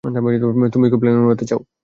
তুমিও কি প্লেন উড়াতে চাও?